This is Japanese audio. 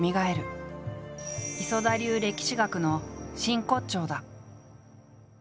磯田流歴史学の真骨頂だ。